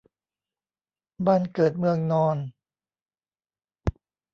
บ้านเกิดเมืองนอน